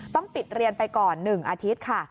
ต้องปิดเรียนไปก่อน๑อาทิตย์ค่ะ